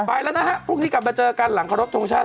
ไปแล้วนะฮะพรุ่งนี้กลับมาเจอกันหลังขอรบทรงชาติ